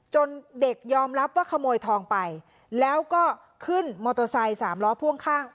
เด็กยอมรับว่าขโมยทองไปแล้วก็ขึ้นมอเตอร์ไซค์สามล้อพ่วงข้าง